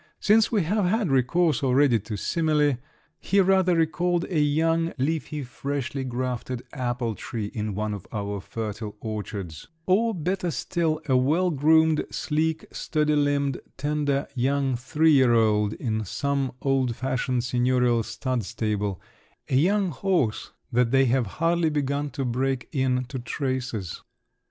Since we have had recourse already to simile, he rather recalled a young, leafy, freshly grafted apple tree in one of our fertile orchards—or better still, a well groomed, sleek, sturdy limbed, tender young "three year old" in some old fashioned seignorial stud stable, a young horse that they have hardly begun to break in to the traces….